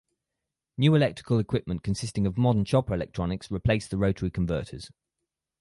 New electrical equipment consisting of modern chopper electronics replaced the rotary converters.